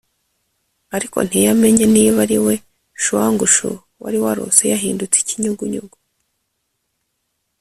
ariko ntiyamenye niba ari we chuang chou wari warose yahindutse ikinyugunyugu,